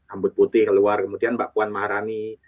rambut putih keluar kemudian mbak puan maharani